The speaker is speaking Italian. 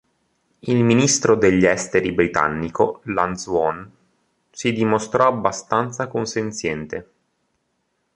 Il ministro degli Esteri britannico Lansdowne si dimostrò abbastanza consenziente.